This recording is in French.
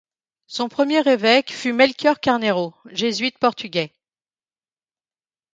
Son premier évêque fut Melchior Carneiro, jésuite portugais.